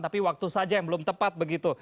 tapi waktu saja yang belum tepat begitu